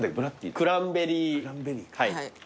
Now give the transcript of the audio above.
クランベリーか。